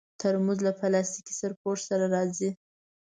ترموز له پلاستيکي سرپوښ سره راځي.